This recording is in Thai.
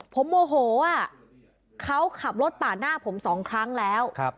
ผมโมโหเขาขับรถปาดหน้าผมสองครั้งแล้ว